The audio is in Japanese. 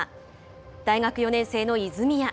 大学４年生の泉谷。